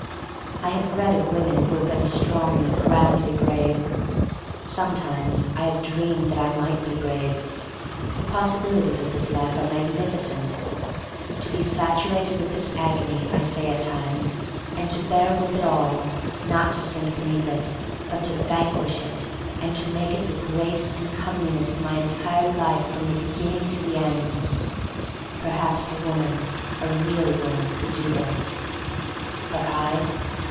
I have read of women who have been strongly, grandly brave. Sometimes I have dreamed that I might be brave. The possibilities of this life are magnifi cent. To be saturated with this agony, I say at times, and to bear with it all; not to sink beneath it, but to vanquish 208 THE STORY OF MARY MAC LANE it, and to make it the grace and comeli ness of my entire life from the Begin ning to the End! Perhaps a woman — a real woman — could do this. But I?